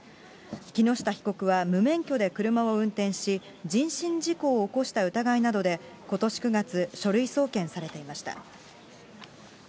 木下被告は無免許で車を運転し、人身事故を起こした疑いなどで、ことし９月、書類送検されていました。